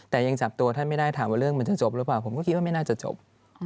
แต่ยังจับตัวท่านไม่ได้ถามว่าเรื่องมันจะจบหรือเปล่าผมก็คิดว่าไม่น่าจะจบ